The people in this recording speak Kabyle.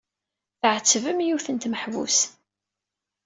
Tɛettbem yiwet n tmeḥbust.